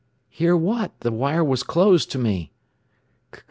"Hear what? The wire was closed to me."